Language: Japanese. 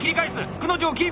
「くの字」をキープ！